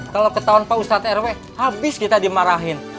kalau ketahuan pak ustadz rw habis kita dimarahin